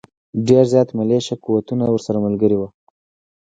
ډېر زیات ملېشه قوتونه ورسره ملګري وو.